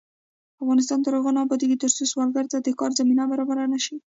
افغانستان تر هغو نه ابادیږي، ترڅو سوالګر ته د کار زمینه برابره نشي.